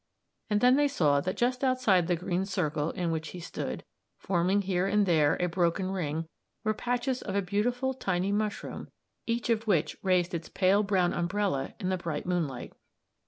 And then they saw that just outside the green circle in which he stood, forming here and there a broken ring, were patches of a beautiful tiny mushroom, each of which raised its pale brown umbrella in the bright moonlight.